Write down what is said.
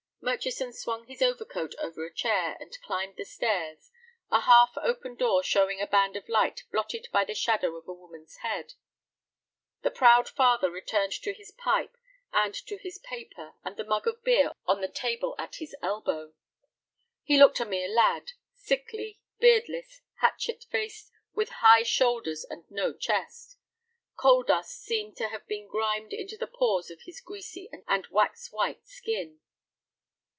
Murchison swung his overcoat over a chair, and climbed the stairs, a half open door showing a band of light blotted by the shadow of a woman's head. The proud father returned to his pipe and to his paper and the mug of beer on the table at his elbow. He looked a mere lad, sickly, beardless, hatchet faced, with high shoulders and no chest. Coal dust seemed to have been grimed into the pores of his greasy and wax white skin.